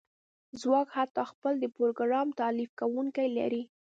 ځواک حتی خپل د پروګرام تالیف کونکی لري